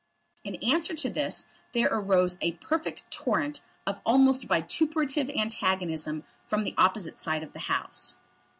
In answer to this there arose a perfect torrent of almost vituperative antagonism from the opposite side of the House.